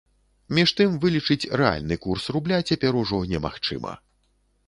Між тым вылічыць рэальны курс рубля цяпер ужо не магчыма.